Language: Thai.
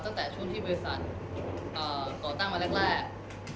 ตั้งแต่ช่วงที่บริษัทก่อตั้งมาแรก